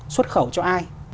xuất khẩu cho ai